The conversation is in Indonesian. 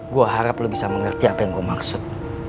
gue harap lu bisa mengerti apa yang gue maksud